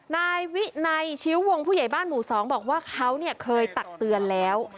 ในชิ้ววงผู้ใหญ่บ้านหมู่สองบอกว่าเขาเนี่ยเคยตักเตือนแล้ว